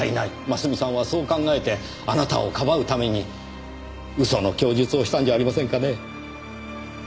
ますみさんはそう考えてあなたをかばうために嘘の供述をしたんじゃありませんかね。